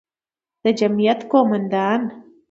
د جمعیت قوماندان،